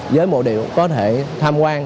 giới mộ điệu có thể tham quan